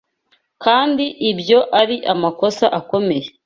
kandi ibyo ari amakosa akomeye